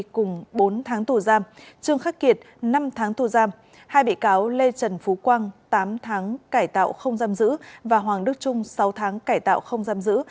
cùng bốn tháng tù giam trương khắc kiệt năm tháng tù giam hai bị cáo lê trần phú quang tám tháng cải tạo không giam giữ và hoàng đức trung sáu tháng cải tạo không giam giữ